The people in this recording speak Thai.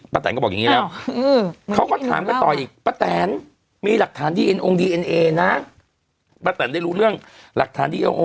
ไปเมื่อวันนี้โปะแตนก็ตอบ